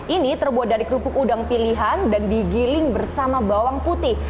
ini terbuat dari kerupuk udang pilihan dan digiling bersama bawang putih